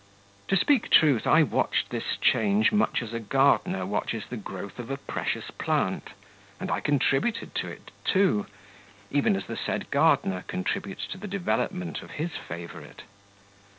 To speak truth, I watched this change much as a gardener watches the growth of a precious plant, and I contributed to it too, even as the said gardener contributes to the development of his favourite.